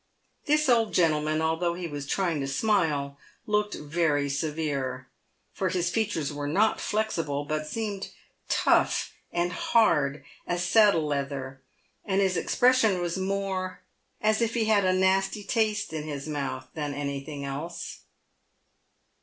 This old gentleman, although he was trying to smile, looked very severe, for his features were not flexible, but seemed tough and hard as saddle leather, and his expression was more as if he had a nasty taste in his mouth than anything else.